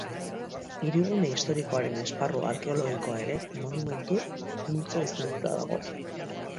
Hirigune historikoaren esparru arkeologikoa ere Monumentu Multzo izendatuta dago.